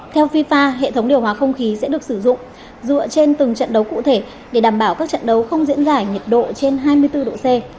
theo fifa hệ thống điều hòa không khí sẽ được sử dụng dựa trên từng trận đấu cụ thể để đảm bảo các trận đấu không diễn giải nhiệt độ trên hai mươi bốn độ c